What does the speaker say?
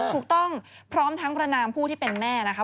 ถูกต้องพร้อมทั้งประนามผู้ที่เป็นแม่นะคะ